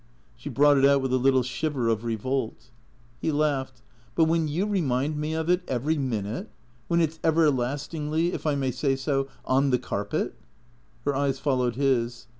She brought it out with a little shiver of revolt. He laughed. " But when you remind me of it every minute ? When it's everlastingly, if I may say so, on the carpet?" Her eyes followed his.